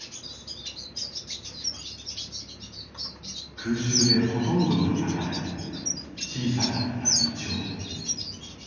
空襲でほとんどが焼かれ小さかったイチョウ。